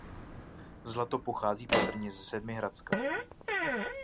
Zlato pochází patrně ze Sedmihradska.